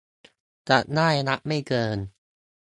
จะได้รับไม่เกิน